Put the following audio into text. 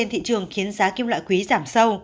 trường khiến giá kim loại quý giảm sâu